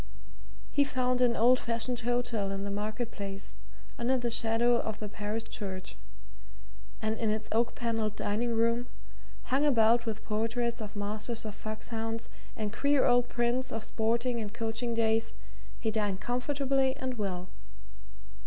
He found an old fashioned hotel in the marketplace, under the shadow of the parish church, and in its oak panelled dining room, hung about with portraits of masters of foxhounds and queer old prints of sporting and coaching days, he dined comfortably and well.